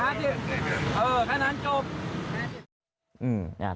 เออบอกว่าไม่ได้ก่อน